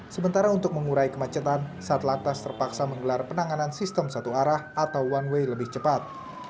sementara untuk mengurai kemacetan satlantas terpaksa menggelar penanganan sistem satu arah atau one way lebih cepat